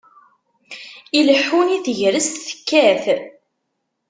Ileḥḥun i tegrest tekkat.